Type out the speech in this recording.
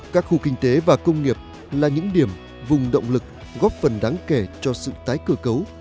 các khu kinh tế và công nghiệp là những điểm vùng động lực góp phần đáng kể cho sự tái cơ cấu